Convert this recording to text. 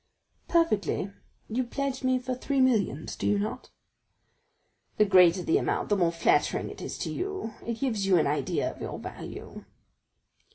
"Perfectly; you pledge me for three millions, do you not?" "The greater the amount, the more flattering it is to you; it gives you an idea of your value."